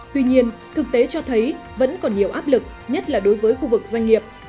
tuy nhiên thực tế cho thấy vẫn còn nhiều áp lực nhất là đối với khu vực doanh nghiệp